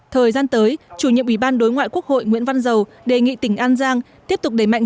thời gian tới chủ nhiệm ủy ban đối ngoại quốc hội nguyễn văn dầu đề nghị tỉnh an giang tiếp tục đẩy mạnh